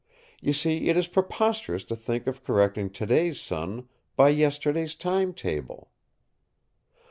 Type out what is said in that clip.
You see, it is preposterous to think of correcting to day's sun by yesterday's time table."